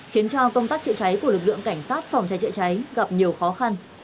khiến cho công tác chữa cháy của lực lượng cảnh sát phòng cháy chữa cháy gặp nhiều khó khăn